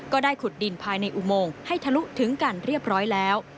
ก็ได้ขุดดินภายในอุโมงให้ทะลุถึงกันเรียบร้อยแล้ว